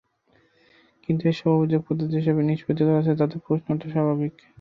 কিন্তু এসব অভিযোগ যেভাবে নিষ্পত্তি করা হচ্ছে, তাতে প্রশ্ন ওঠা স্বাভাবিক।